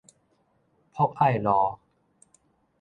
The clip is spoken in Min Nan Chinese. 博愛路